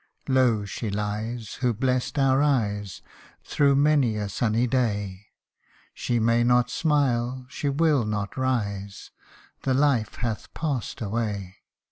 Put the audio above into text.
Low she lies, who blest our eyes Through many a sunny day ; She may not smile, she will not rise The life hath past away